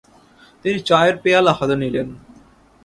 তিনি চায়ের পেয়ালা হাতে নিলেন।